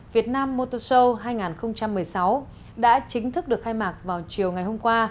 việt nam motor show hai nghìn một mươi sáu đã chính thức được khai mạc vào chiều ngày hôm qua